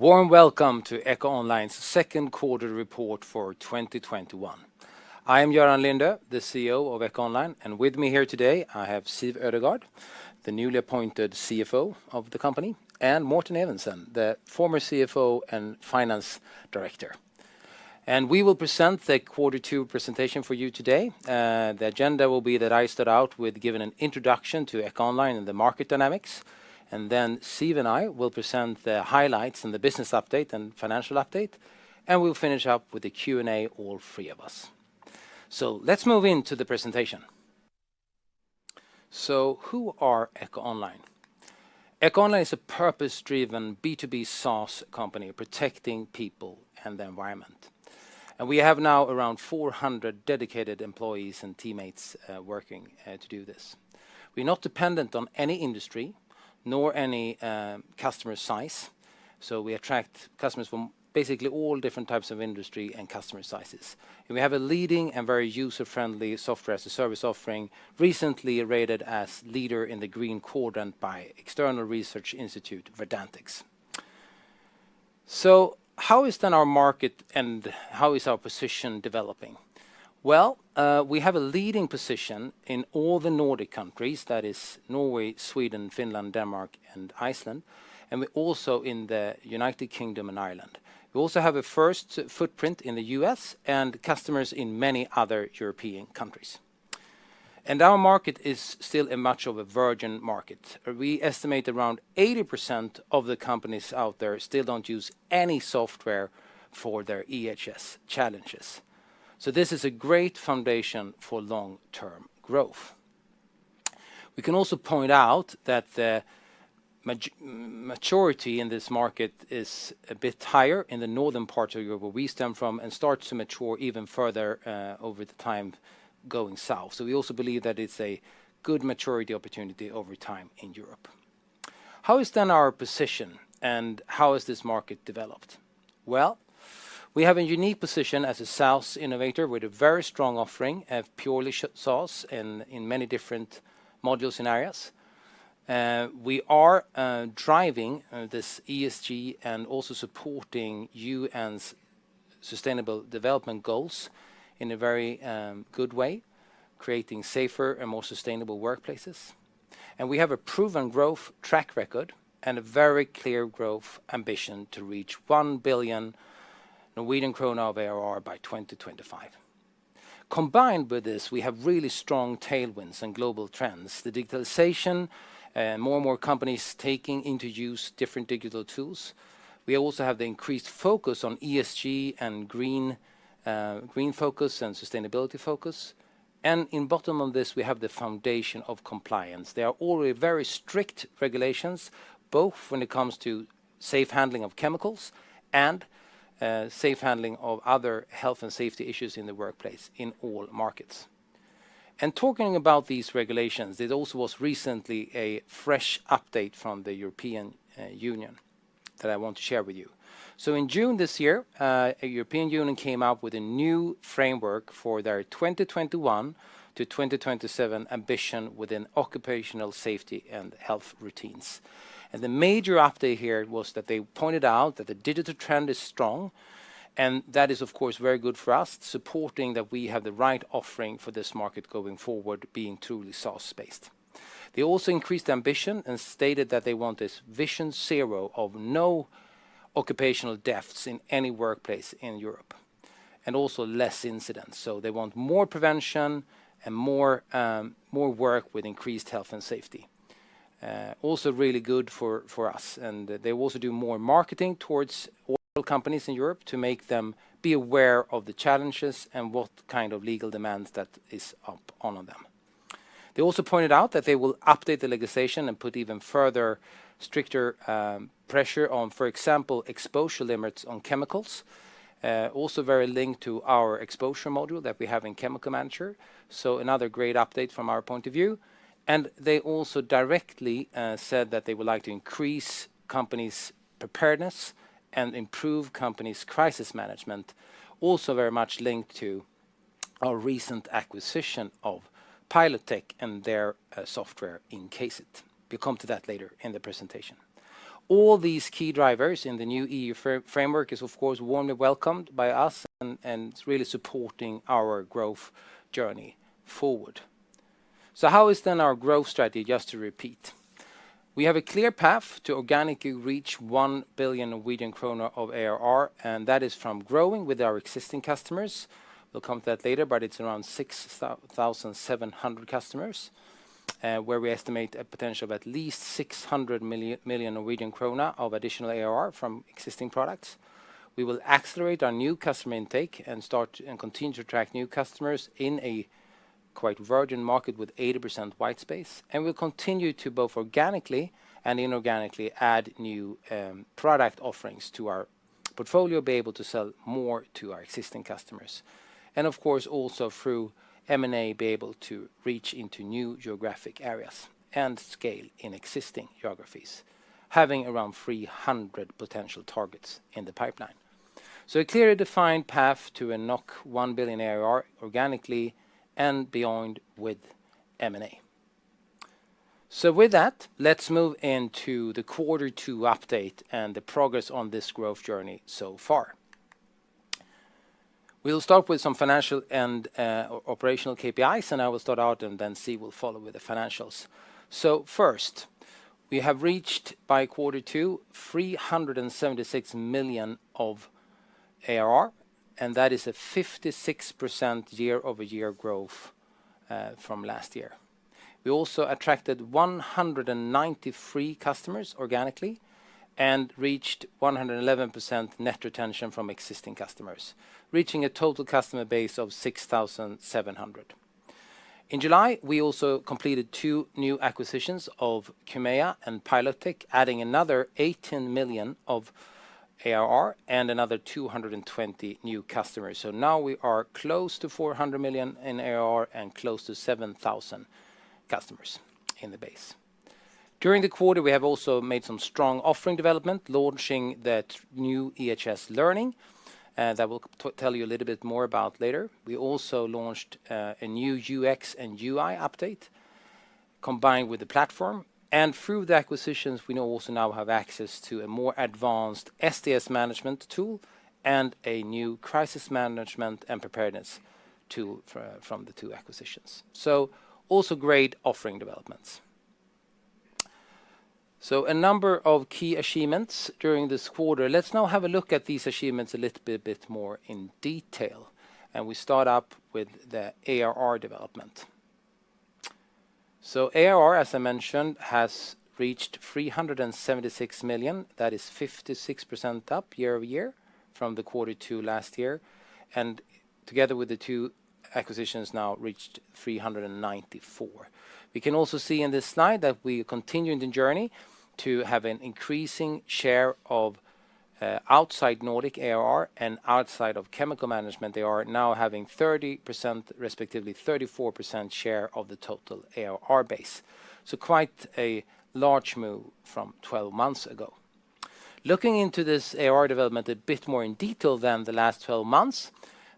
Warm welcome to EcoOnline'sQ2 report for 2021. I am Göran Lindö, the CEO of EcoOnline, and with me here today I have Siw Ødegaard, the newly appointed CFO of the company, and Morten Evensen, the former CFO and finance director. We will present the Q2 presentation for you today. The agenda will be that I start out with giving an introduction to EcoOnline and the market dynamics, and then Siw and I will present the highlights and the business update and financial update, and we'll finish up with a Q&A, all three of us. Let's move into the presentation. Who are EcoOnline? EcoOnline is a purpose-driven B2B SaaS company protecting people and the environment. We have now around 400 dedicated employees and teammates working to do this. We're not dependent on any industry nor any customer size, we attract customers from basically all different types of industry and customer sizes. We have a leading and very user-friendly software as a service offering, recently rated as leader in the Green Quadrant by External Research Institute Verdantix. How is our market and how is our position developing? Well, we have a leading position in all the Nordic countries. That is Norway, Sweden, Finland, Denmark, and Iceland. We're also in the United Kingdom and Ireland. We also have a first footprint in the U.S. and customers in many other European countries. Our market is still much of a virgin market. We estimate around 80% of the companies out there still don't use any software for their EHS challenges. This is a great foundation for long-term growth. We can also point out that the maturity in this market is a bit higher in the northern parts of Europe, where we stem from, and start to mature even further over the time going south. We also believe that it's a good maturity opportunity over time in Europe. How is our position and how has this market developed? Well, we have a unique position as a SaaS innovator with a very strong offering of purely SaaS in many different module scenarios. We are driving this ESG and also supporting UN's sustainable development goals in a very good way, creating safer and more sustainable workplaces. We have a proven growth track record and a very clear growth ambition to reach 1 billion Norwegian kroner of ARR by 2025. Combined with this, we have really strong tailwinds and global trends. The digitalization, more and more companies taking into use different digital tools. We also have the increased focus on ESG and green focus and sustainability focus. In bottom of this, we have the foundation of compliance. There are already very strict regulations, both when it comes to safe handling of chemicals and safe handling of other health and safety issues in the workplace in all markets. Talking about these regulations, there also was recently a fresh update from the European Union that I want to share with you. In June this year, European Union came out with a new framework for their 2021-2027 ambition within occupational safety and health routines. The major update here was that they pointed out that the digital trend is strong, and that is of course very good for us, supporting that we have the right offering for this market going forward, being truly SaaS-based. They also increased ambition and stated that they want this Vision Zero of no occupational deaths in any workplace in Europe, and also less incidents. They want more prevention and more work with increased health and safety. Also really good for us, and they also do more marketing towards oil companies in Europe to make them be aware of the challenges and what kind of legal demands that is on them. They also pointed out that they will update the legislation and put even further stricter pressure on, for example, exposure limits on chemicals. Also very linked to our exposure module that we have in Chemical Manager. Another great update from our point of view. They also directly said that they would like to increase companies' preparedness and improve companies' crisis management. Also very much linked to our recent acquisition of Pilotech and their software InCaseIT. We come to that later in the presentation. All these key drivers in the new EU framework is of course warmly welcomed by us and it's really supporting our growth journey forward. How is then our growth strategy, just to repeat? We have a clear path to organically reach 1 billion Norwegian kroner of ARR. That is from growing with our existing customers. We'll come to that later, but it's around 6,700 customers, where we estimate a potential of at least 600 million Norwegian krone of additional ARR from existing products. We will accelerate our new customer intake and start and continue to attract new customers in a quite virgin market with 80% white space. We'll continue to both organically and inorganically add new product offerings to our portfolio, be able to sell more to our existing customers. Of course, also through M&A, be able to reach into new geographic areas and scale in existing geographies, having around 300 potential targets in the pipeline. A clearly defined path to a 1 billion ARR organically and beyond with M&A. With that, let's move into the Q2 update and the progress on this growth journey so far. We'll start with some financial and operational KPIs, and I will start out, and then Siw will follow with the financials. We have reached, by Q2, 376 million of ARR, and that is a 56% year-over-year growth from last year. We also attracted 193 customers organically and reached 111% net retention from existing customers, reaching a total customer base of 6,700. In July, we also completed two new acquisitions of Chymeia and Pilotech, adding another 18 million of ARR and another 220 new customers. Now we are close to 400 million in ARR and close to 7,000 customers in the base. During the quarter, we have also made some strong offering development, launching that new EHS learning, that I will tell you a little bit more about later. We also launched a new UX and UI update combined with the platform. Through the acquisitions, we now also have access to a more advanced SDS management tool and a new crisis management and preparedness tool from the two acquisitions. Also great offering developments. A number of key achievements during this quarter. Let's now have a look at these achievements a little bit more in detail, and we start up with the ARR development. ARR, as I mentioned, has reached 376 million. That is 56% up year-over-year from the Q2 last year. Together with the two acquisitions now reached 394 million. We can also see in this slide that we continue the journey to have an increasing share of outside Nordic ARR and outside of Chemical Manager. They are now having 30%, respectively 34% share of the total ARR base. Quite a large move from 12 months ago. Looking into this ARR development a bit more in detail than the last 12 months,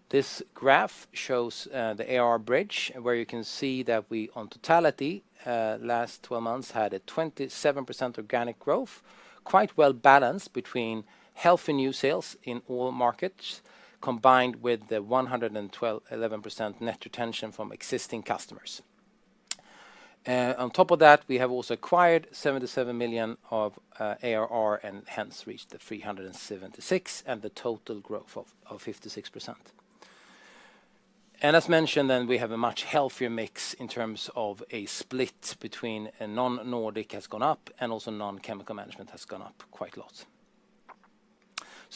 this graph shows the ARR bridge where you can see that we, on totality, last 12 months, had a 27% organic growth, quite well-balanced between healthy new sales in all markets, combined with the 111% net retention from existing customers. On top of that, we have also acquired 77 million of ARR and hence reached 376 and the total growth of 56%. As mentioned, then we have a much healthier mix in terms of a split between a non-Nordic has gone up and also non-chemical management has gone up quite a lot.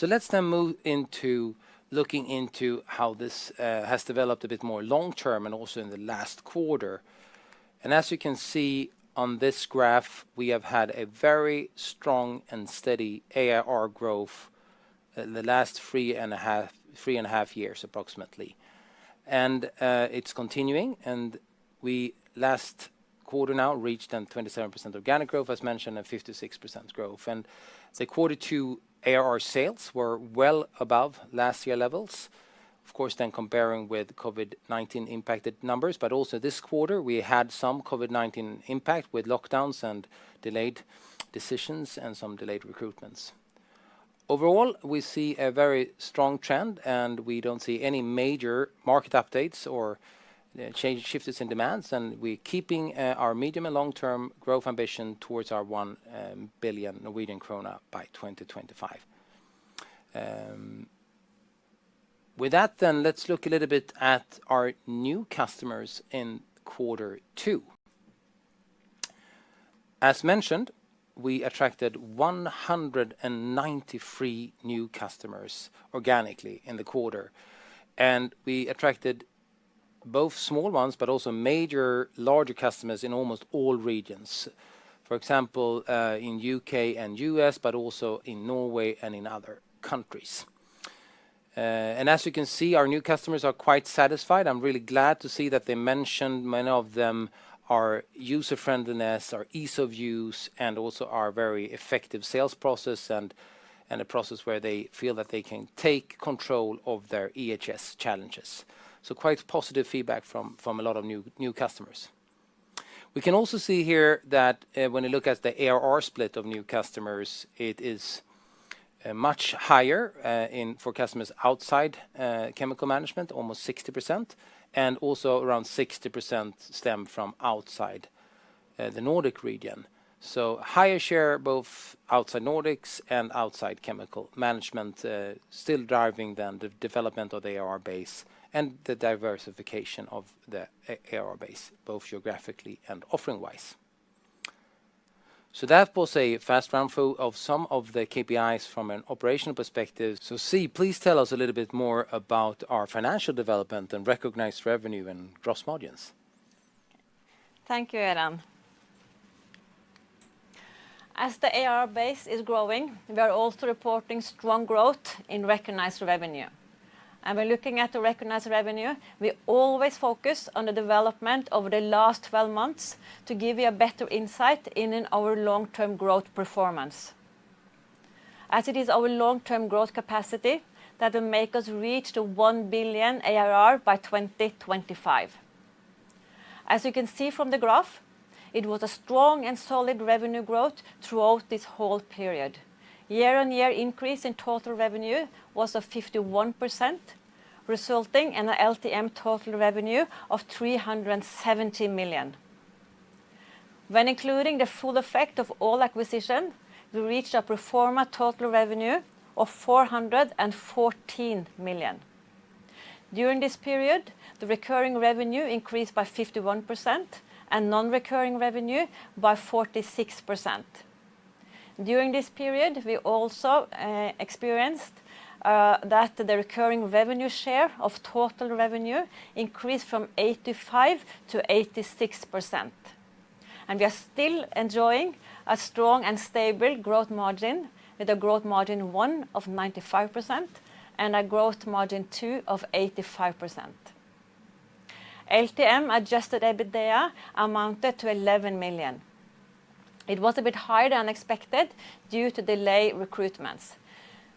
Let's then move into looking into how this has developed a bit more long term and also in the last quarter. As you can see on this graph, we have had a very strong and steady ARR growth the last 3.5 years approximately. It's continuing, and we last quarter now reached then 27% organic growth, as mentioned, and 56% growth. The Q2 ARR sales were well above last year levels. Of course then comparing with COVID-19 impacted numbers, but also this quarter, we had some COVID-19 impact with lockdowns and delayed decisions and some delayed recruitments. Overall, we see a very strong trend, and we don't see any major market updates or shifts in demands, and we're keeping our medium and long-term growth ambition towards our 1 billion Norwegian krone by 2025. With that then, let's look a little bit at our new customers in Q2. As mentioned, we attracted 193 new customers organically in the quarter, and we attracted both small ones but also major larger customers in almost all regions. For example, in U.K. and U.S., but also in Norway and in other countries. As you can see, our new customers are quite satisfied. I'm really glad to see that they mentioned many of them are user-friendliness or ease of use and also our very effective sales process and a process where they feel that they can take control of their EHS challenges. Quite positive feedback from a lot of new customers. We can also see here that when we look at the ARR split of new customers, it is much higher for customers outside Chemical Management, almost 60%, and also around 60% stem from outside the Nordic region. Higher share both outside Nordics and outside chemical management, still driving then the development of the ARR base and the diversification of the ARR base, both geographically and offering-wise. That was a fast run-through of some of the KPIs from an operational perspective. Siw, please tell us a little bit more about our financial development and recognized revenue and gross margins. Thank you, Göran. As the ARR base is growing, we are also reporting strong growth in recognized revenue. We're looking at the recognized revenue. We always focus on the development over the last 12 months to give you a better insight into our long-term growth performance, as it is our long-term growth capacity that will make us reach the 1 billion ARR by 2025. As you can see from the graph, it was a strong and solid revenue growth throughout this whole period. Year-on-year increase in total revenue was 51%, resulting in an LTM total revenue of 370 million. When including the full effect of all acquisition, we reached a pro forma total revenue of 414 million. During this period, the recurring revenue increased by 51% and non-recurring revenue by 46%. During this period, we also experienced that the recurring revenue share of total revenue increased from 85%-86%, and we are still enjoying a strong and stable gross margin, with a gross margin one of 95% and a gross margin two of 85%. LTM-adjusted EBITDA amounted to 11 million. It was a bit higher than expected due to delay recruitments.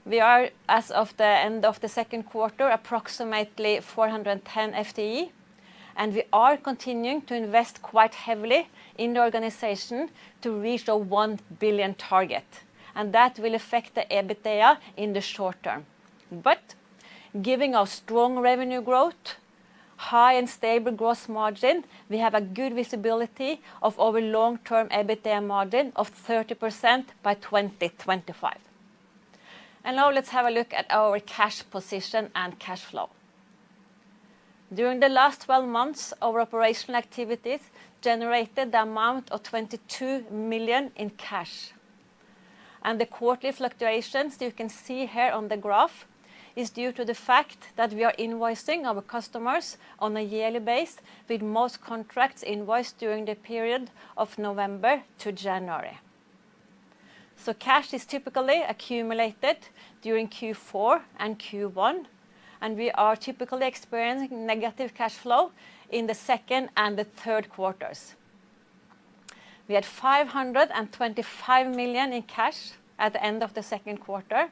We are, as of the end of the Q2 approximately 410 FTE, and we are continuing to invest quite heavily in the organization to reach the 1 billion target, and that will affect the EBITDA in the short term. Given our strong revenue growth, high and stable gross margin, we have a good visibility of our long-term EBITDA margin of 30% by 2025. Now let's have a look at our cash position and cash flow. During the last 12 months, our operational activities generated the amount of 22 million in cash. The quarterly fluctuations you can see here on the graph is due to the fact that we are invoicing our customers on a yearly basis, with most contracts invoiced during the period of November to January. Cash is typically accumulated during Q4 and Q1, and we are typically experiencing negative cash flow in the Q2 and Q3. We had 525 million in cash at the end of the Q2,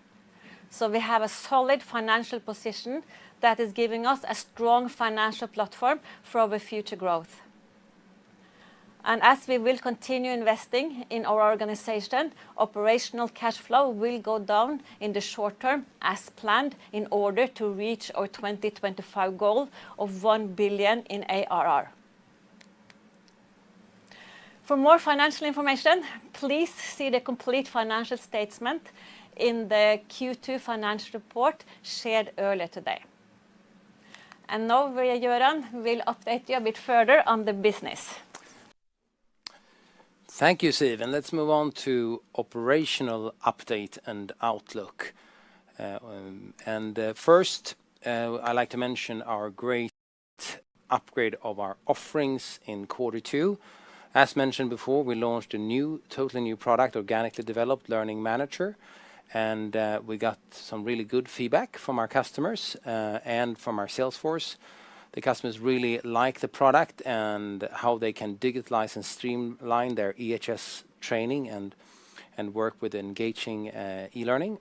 so we have a solid financial position that is giving us a strong financial platform for our future growth. As we will continue investing in our organization, operational cash flow will go down in the short term as planned in order to reach our 2025 goal of 1 billion in ARR. For more financial information, please see the complete financial statement in the Q2 financial report shared earlier today. Now Göran will update you a bit further on the business. Thank you, Siw. Let's move on to operational update and outlook. First, I'd like to mention our great upgrade of our offerings in Q2. As mentioned before, we launched a totally new product, organically developed, Learning Manager, we got some really good feedback from our customers and from our sales force. The customers really like the product and how they can digitize and streamline their EHS training and work with engaging e-learning.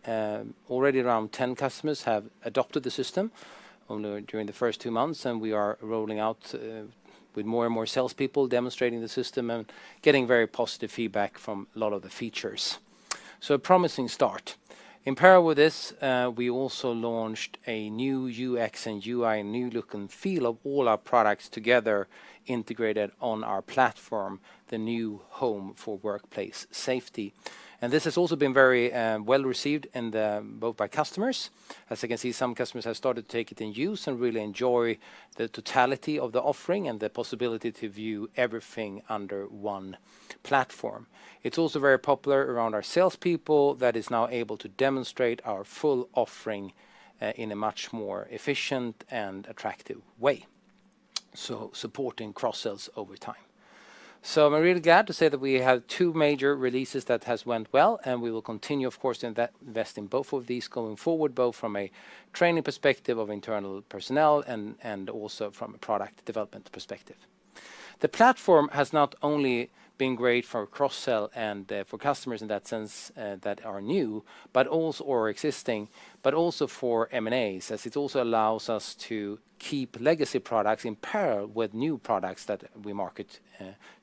Already around 10 customers have adopted the system during the first two months, we are rolling out with more and more salespeople demonstrating the system and getting very positive feedback from a lot of the features. A promising start. In parallel with this, we also launched a new UX and UI, a new look and feel of all our products together integrated on our platform, the new home for workplace safety. This has also been very well received both by customers. As you can see, some customers have started to take it in use and really enjoy the totality of the offering and the possibility to view everything under one platform. It's also very popular around our salespeople that is now able to demonstrate our full offering in a much more efficient and attractive way, so supporting cross-sells over time. I'm really glad to say that we have two major releases that have went well, and we will continue, of course, to invest in both of these going forward, both from a training perspective of internal personnel and also from a product development perspective. The platform has not only been great for cross-sell and for customers in that sense that are new or existing, but also for M&As, as it also allows us to keep legacy products in parallel with new products that we market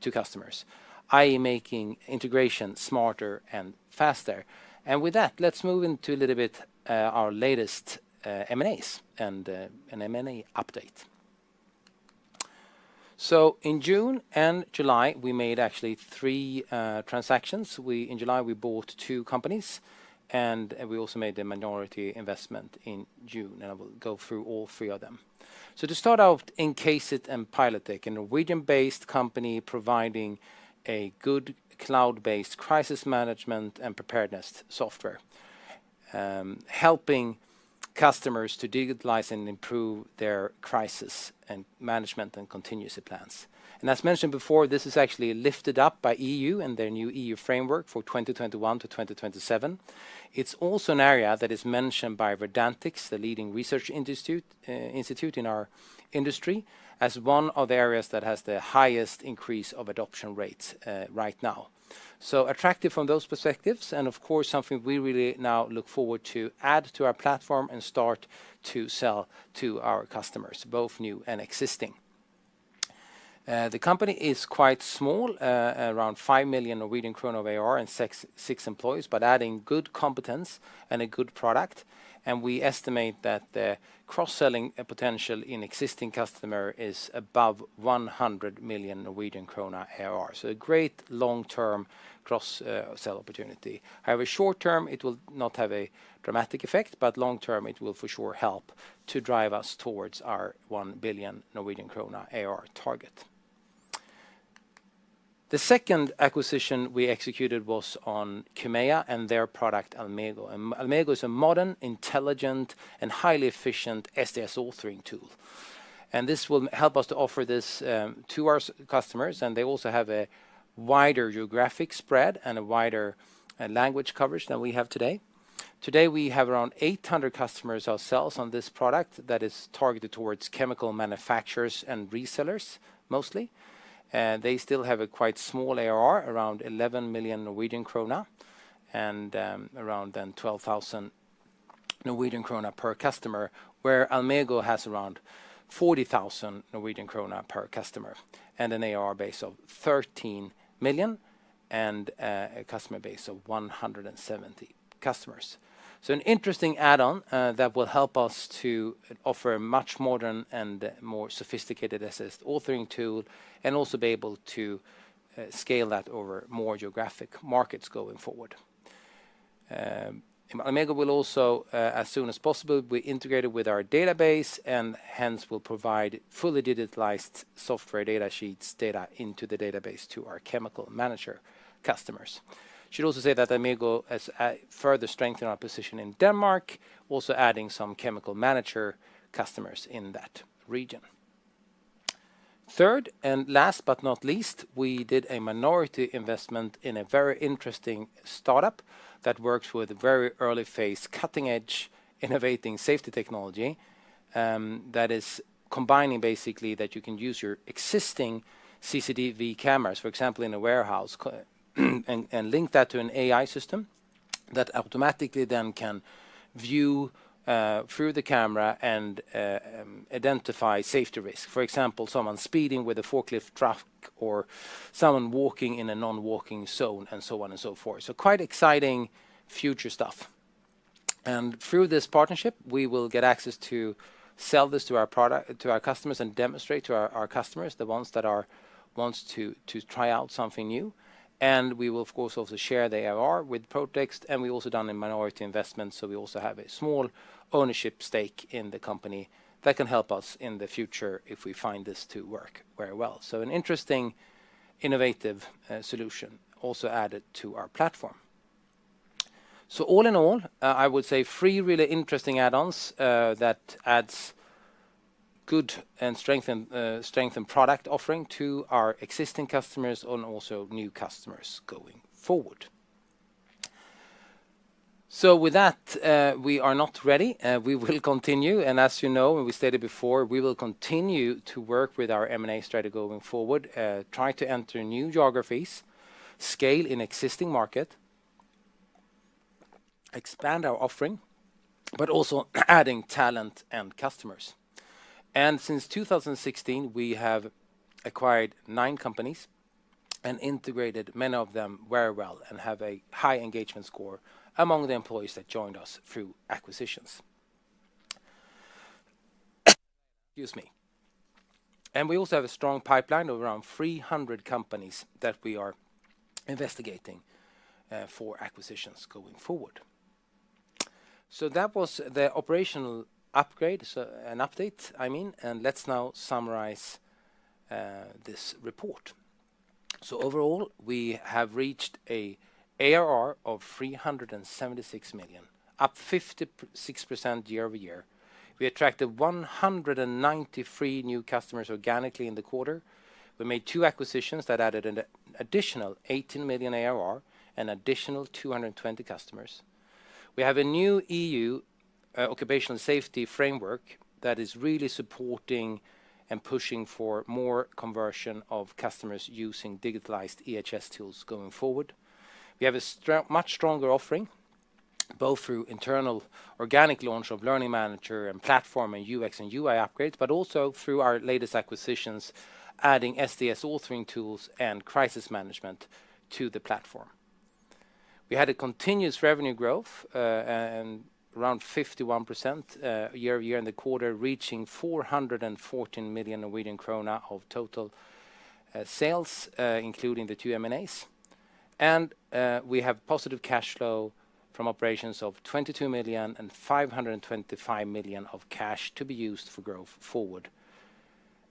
to customers, i.e., making integration smarter and faster. With that, let's move into a little bit our latest M&As and an M&A update. In June and July, we made actually three transactions. In July, we bought two companies, and we also made a minority investment in June. I will go through all three of them. To start off, InCaseIT and Pilotech AS, a Norwegian-based company providing a good cloud-based crisis management and preparedness software, helping customers to digitalize and improve their crisis management and contingency plans. As mentioned before, this is actually lifted up by EU and their new EU framework for 2021-2027. It's also an area that is mentioned by Verdantix, the leading research institute in our industry, as one of the areas that has the highest increase of adoption rates right now. Attractive from those perspectives, and of course, something we really now look forward to add to our platform and start to sell to our customers, both new and existing. The company is quite small, around 5 million Norwegian kroner of ARR and six employees, but adding good competence and a good product, and we estimate that the cross-selling potential in existing customer is above 100 million Norwegian krone ARR. A great long-term cross-sell opportunity. Short term, it will not have a dramatic effect, but long term, it will for sure help to drive us towards our 1 billion Norwegian krone ARR target. The second acquisition we executed was on Chymeia ApS and their product, Almego. Almego is a modern, intelligent, and highly efficient SDS authoring tool. This will help us to offer this to our customers, and they also have a wider geographic spread and a wider language coverage than we have today. Today, we have around 800 customers ourselves on this product that is targeted towards chemical manufacturers and resellers, mostly. They still have a quite small ARR, around 11 million Norwegian krone and around 12,000 Norwegian krone per customer, where Almego has around 40,000 Norwegian krone per customer and an ARR base of 13 million and a customer base of 170 customers. An interesting add-on that will help us to offer a much more modern and more sophisticated SDS authoring tool, and also be able to scale that over more geographic markets going forward. Almego will also, as soon as possible, be integrated with our database, and hence will provide fully digitalized software data sheets data into the database to our Chemical Manager customers. Should also say that Almego has further strengthened our position in Denmark, also adding some Chemical Manager customers in that region. Third and last, but not least, we did a minority investment in a very interesting startup that works with very early-phase, cutting-edge, innovating safety technology, that is combining basically that you can use your existing CCTV cameras, for example, in a warehouse, and link that to an AI system that automatically then can view through the camera and identify safety risk. For example, someone speeding with a forklift truck or someone walking in a non-walking zone and so on and so forth. Quite exciting future stuff. Through this partnership, we will get access to sell this to our customers and demonstrate to our customers, the ones that wants to try out something new. We will, of course, also share the ARR with Protex, and we've also done a minority investment, we also have a small ownership stake in the company that can help us in the future if we find this to work very well. An interesting, innovative solution also added to our platform. All in all, I would say three really interesting add-ons that adds good strength and product offering to our existing customers and also new customers going forward. With that, we are not ready. We will continue, as you know, and we stated before, we will continue to work with our M&A strategy going forward, try to enter new geographies, scale in existing market, expand our offering, but also adding talent and customers. Since 2016, we have acquired nine companies and integrated many of them very well and have a high engagement score among the employees that joined us through acquisitions. Excuse me. We also have a strong pipeline of around 300 companies that we are investigating for acquisitions going forward. That was the operational upgrade, an update, I mean, and let's now summarize this report. Overall, we have reached a ARR of 376 million, up 56% year-over-year. We attracted 193 new customers organically in the quarter. We made two acquisitions that added an additional 18 million ARR and additional 220 customers. We have a new EU occupational safety framework that is really supporting and pushing for more conversion of customers using digitalized EHS tools going forward. We have a much stronger offering, both through internal organic launch of Learning Manager and platform and UX and UI upgrades, but also through our latest acquisitions, adding SDS authoring tools and crisis management to the platform. We had a continuous revenue growth, around 51% year-over-year in the quarter, reaching 414 million Norwegian krone of total sales, including the two M&As. We have positive cash flow from operations of 22 million and 525 million of cash to be used for growth forward.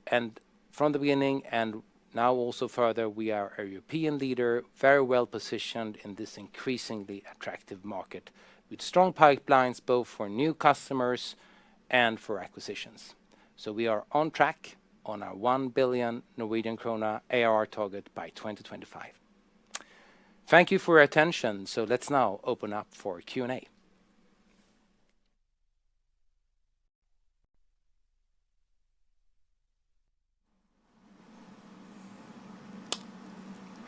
From the beginning, and now also further, we are a European leader, very well-positioned in this increasingly attractive market with strong pipelines both for new customers and for acquisitions. We are on track on our 1 billion Norwegian krone ARR target by 2025. Thank you for your attention. Let's now open up for Q&A.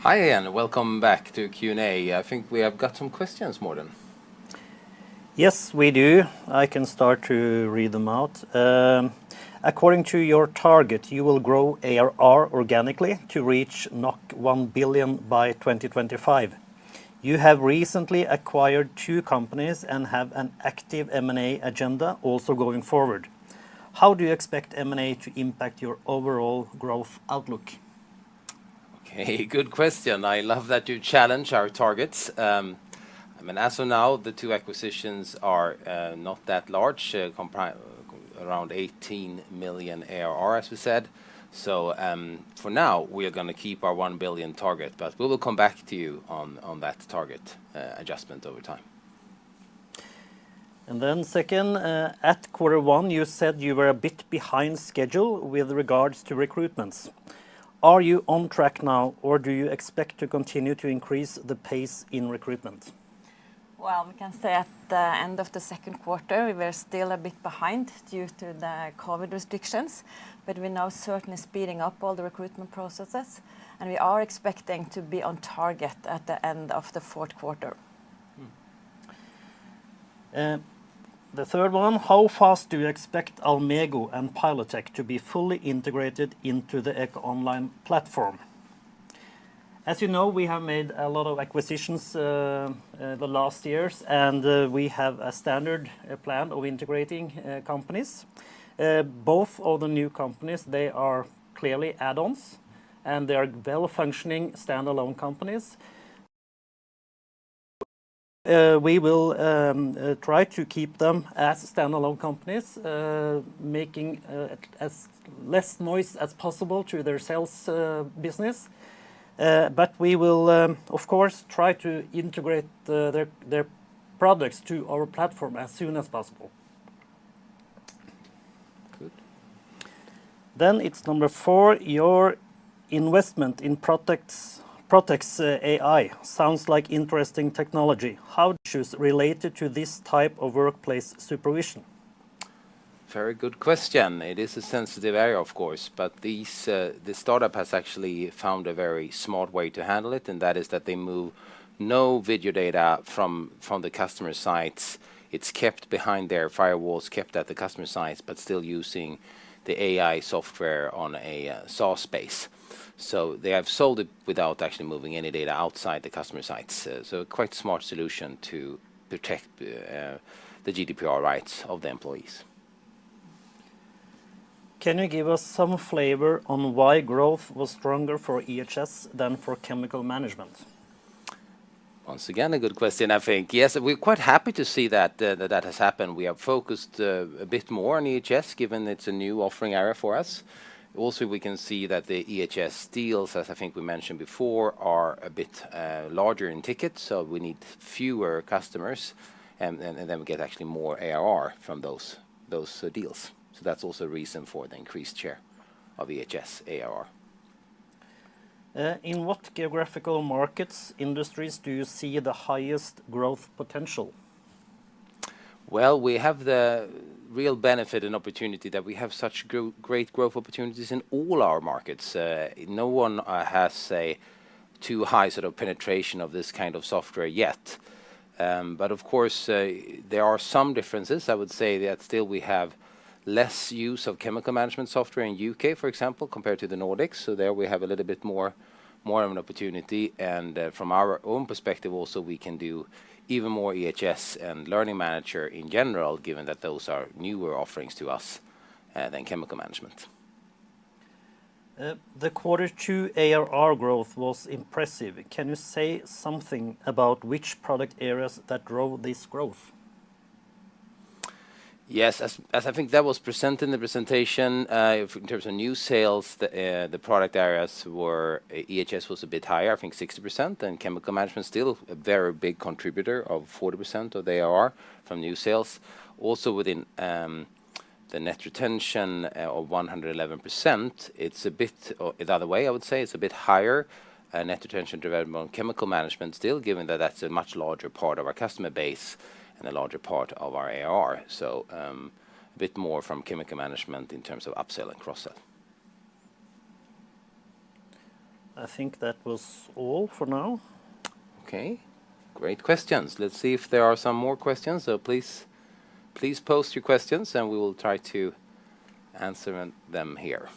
Hi again. Welcome back to Q&A. I think we have got some questions, Morten. Yes, we do. I can start to read them out. According to your target, you will grow ARR organically to reach 1 billion by 2025. You have recently acquired two companies and have an active M&A agenda also going forward. How do you expect M&A to impact your overall growth outlook? Okay, good question. I love that you challenge our targets. As of now, the two acquisitions are not that large, around 18 million ARR, as we said. For now, we are going to keep our 1 billion target, but we will come back to you on that target adjustment over time. Second, at Q1, you said you were a bit behind schedule with regards to recruitments. Are you on track now, or do you expect to continue to increase the pace in recruitment? Well, we can say at the end of the Q2, we were still a bit behind due to the COVID restrictions, but we're now certainly speeding up all the recruitment processes, and we are expecting to be on target at the end of the Q4. The third one, how fast do you expect Almego and Pilotech to be fully integrated into the EcoOnline platform? As you know, we have made a lot of acquisitions the last years, and we have a standard plan of integrating companies. Both of the new companies, they are clearly add-ons, and they are well-functioning standalone companies. We will try to keep them as standalone companies, making as less noise as possible to their sales business. We will, of course, try to integrate their products to our platform as soon as possible. Good. It's number four, your investment in Protex AI sounds like interesting technology. How issues related to this type of workplace supervision? Very good question. It is a sensitive area, of course, but this startup has actually found a very smart way to handle it, and that is that they move no video data from the customer sites. It's kept behind their firewalls, kept at the customer sites, but still using the AI software on a SaaS base. They have sold it without actually moving any data outside the customer sites. Quite a smart solution to protect the GDPR rights of the employees. Can you give us some flavor on why growth was stronger for EHS than for chemical management? Once again, a good question, I think. Yes, we're quite happy to see that that has happened. We have focused a bit more on EHS, given it's a new offering area for us. We can see that the EHS deals, as I think we mentioned before, are a bit larger in tickets, so we need fewer customers, and then we get actually more ARR from those deals. That's also a reason for the increased share of EHS ARR. In what geographical markets, industries do you see the highest growth potential? We have the real benefit and opportunity that we have such great growth opportunities in all our markets. No one has a too high sort of penetration of this kind of software yet. Of course, there are some differences. I would say that still we have less use of chemical management software in U.K., for example, compared to the Nordics. There we have a little bit more of an opportunity. From our own perspective also, we can do even more EHS and Learning Manager in general, given that those are newer offerings to us than chemical management. The Q2 ARR growth was impressive. Can you say something about which product areas that drove this growth? Yes, as I think that was presented in the presentation, in terms of new sales, the product areas were EHS was a bit higher, I think 60%, and chemical management still a very big contributor of 40% of the ARR from new sales. Within the net retention of 111%, the other way, I would say it's a bit higher net retention development on chemical management still, given that that's a much larger part of our customer base and a larger part of our ARR. A bit more from chemical management in terms of upsell and cross-sell. I think that was all for now. Okay. Great questions. Let's see if there are some more questions. Please post your questions and we will try to answer them here.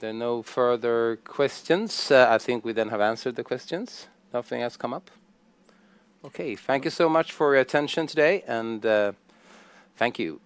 Okay, if there are no further questions, I think we then have answered the questions. Nothing has come up. Okay. Thank you so much for your attention today, and thank you.